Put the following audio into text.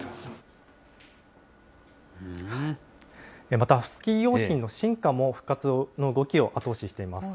またスキー用品の進化も復活の動きを後押ししています。